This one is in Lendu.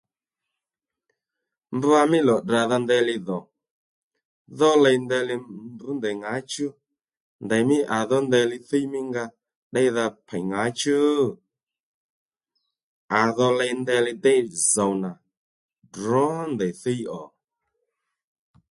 Mbwa mí lò tdràdha ndeyli dhò dho ley ndeyli mbr ndèy ŋáchú ndèymí à dhó ndeyli thíy mí nga ddéydha pèy ŋáchú? À dho ley ndeyli déy zòw nà drǒ ndèy thíy ò